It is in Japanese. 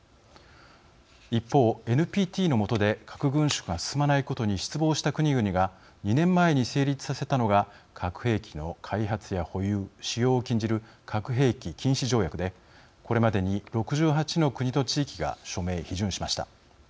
一方、ＮＰＴの下で核軍縮が進まないことに失望した国々が２年前に成立させたのが核兵器の開発や保有、使用を禁じる核兵器禁止条約でこれまでに６８の国と地域が署名、批准しました。